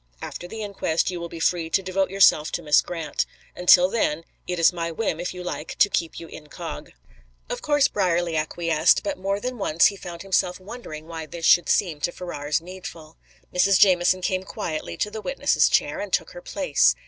After the inquest you will be free to devote yourself to Miss Grant. Until then, it is my whim, if you like, to keep you incog." Of course Brierly acquiesced, but more than once he found himself wondering why this should seem to Ferrars needful. Mrs. Jamieson came quietly to the witnesses' chair, and took her place.